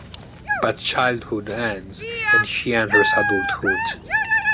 But childhood ends and she enters adulthood.